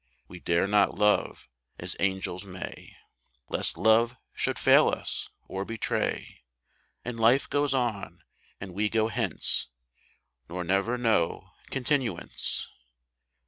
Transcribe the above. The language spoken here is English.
We dare not love as angels may, 84 IN AND ON. Lest love should fail us or betray ; And life goes on and we go hence, Nor never know continuance.